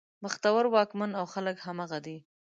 بختور واکمن او خلک همغه دي.